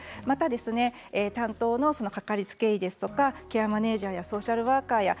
また担当の掛かりつけ医やケアマネージャーやソーシャルワーカー